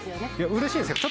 うれしいですよね。